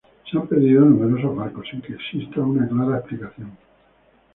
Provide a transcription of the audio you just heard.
Se han perdido numerosos barcos, sin que exista una clara explicación.